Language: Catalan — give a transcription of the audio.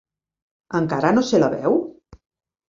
Encara no se la veu?